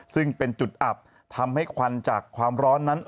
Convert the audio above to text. ซึ่งเป็นจุดอับทำให้ควันจากความร้อนนั้น